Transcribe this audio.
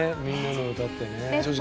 「みんなのうた」ってね。